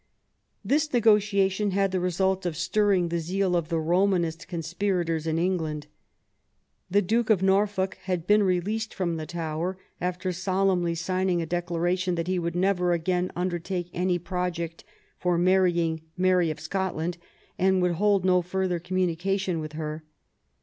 This negotiation had the result of stirring the zeal of the Romanist conspirators in England. The Duke of Norfolk had been released from the Tower after solemnly singing a declaration that he would never again undertake any project for marrying Mary of Scotland, and would hold no further communica tion with her.